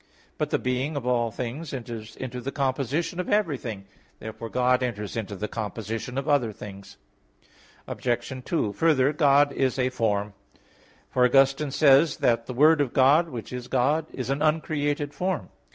But the being of all things enters into the composition of everything. Therefore God enters into the composition of other things. Obj. 2: Further, God is a form; for Augustine says (De Verb. Dom. [Serm. xxxviii]) that, "the word of God, which is God, is an uncreated form."